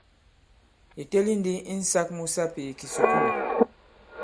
Ì teli ndi insāk mu sapì i kìsùkulù.